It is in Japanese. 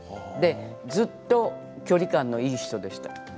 ずっと距離感のいい人でした。